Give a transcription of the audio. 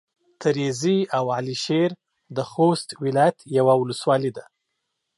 تريزي او على شېر د خوست ولايت يوه ولسوالي ده.